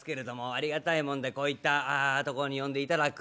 ありがたいもんでこういったとこに呼んでいただく。